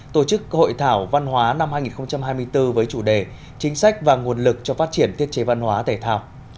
tổ chức hội thảo văn hóa năm hai nghìn hai mươi bốn với chủ đề chính sách và nguồn lực cho phát triển thiết chế văn hóa tể thao